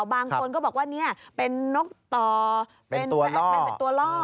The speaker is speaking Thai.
บางคนก็บอกว่านี่เป็นนกต่อเป็นตัวล่อ